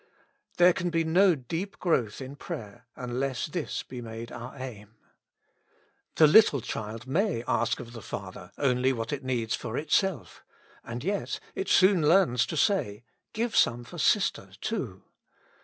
There can be no deep growth in prayer unless this be made our aim. The little child may ask of the father only what it needs for itself; and yet it soon learns to say, Give some for sister, too.